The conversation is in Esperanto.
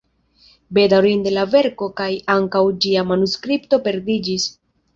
Bedaŭrinde la verko kaj ankaŭ ĝia manuskripto perdiĝis.